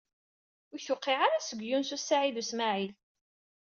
Ur iyi-d-tewqiɛ ara seg Yunes u Saɛid u Smaɛil.